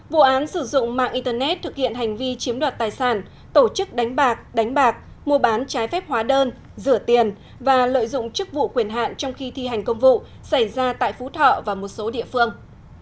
vụ án sử dụng mạng internet thực hiện hành vi chiếm đoạt tài sản tổ chức đánh bạc đánh bạc mua bán trái phép hóa đơn rửa tiền và lợi dụng chức vụ quyền hạn trong khi thi hành công vụ xảy ra tại phú thọ và một số địa phương